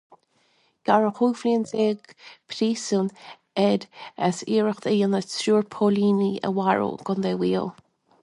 Gearradh cúig bliana déag príosúin air as iarracht a dhéanamh triúr póilíní a mharú i gContae Mhaigh Eo.